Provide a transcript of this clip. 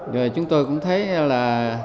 rồi chúng tôi cũng thấy là